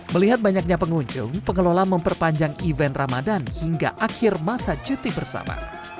melihat banyaknya pengunjung pengelola memperpanjang event ramadan hingga akhir masa cuti bersama